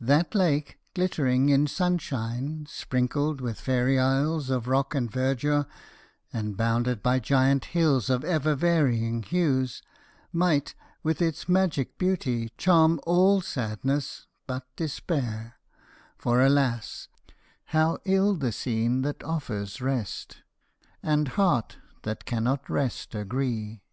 That lake, glittering in sunshine, sprinkled with fairy isles of rock and verdure, and bounded by giant hills of ever varying hues, might, with its magic beauty, charm all sadness but despair; for alas, "How ill the scene that offers rest And heart that cannot rest agree!"